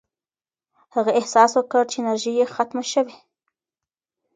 هغې احساس وکړ چې انرژي یې ختمه شوې.